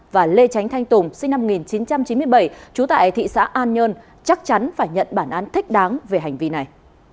và lê tránh thanh tùng sinh năm một nghìn chín trăm chín mươi bảy trú tại thị xã an nhơn chắc chắn phải nhận bản án thích đáng về hành vi này